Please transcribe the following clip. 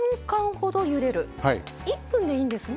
１分でいいんですね。